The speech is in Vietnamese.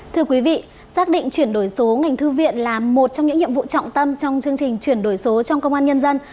thưa quý vị xác định chuyển đổi số ngành thư viện là một trong những nhiệm vụ trọng tâm trong chương trình chuyển đổi số trong công an nhân dân